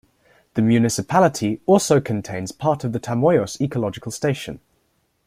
The municipality also contains part of the Tamoios Ecological Station.